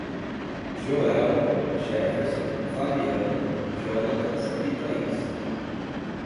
Joelma, Jefferson, Fabiana, Jonatas e Taís